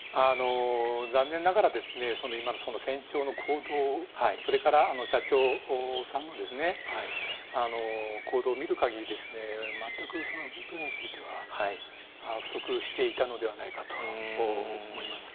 残念ながら、その今の船長の行動、それから、社長さんの行動を見るかぎり、全く、海については不足していたのではないかと思います。